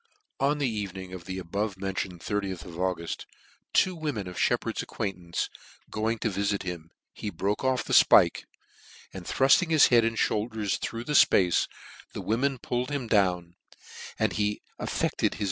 399 On the evening of the above mentioned ^oth of Auguft, two women of Sheppard's acquaint ance going to vifit him, he broke off the fpike, and thrufting his head and moulders through the fpace, the women pulk d him down, and he ef fected his